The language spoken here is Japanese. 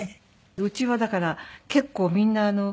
うちはだから結構みんな。